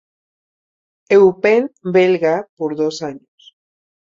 Eupen belga por dos años.